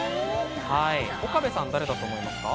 岡部さん、誰だと思いますか？